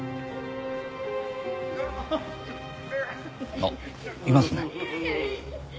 あっいますね。